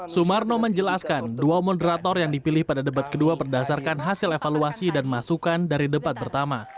sumarno menjelaskan dua moderator yang dipilih pada debat kedua berdasarkan hasil evaluasi dan masukan dari debat pertama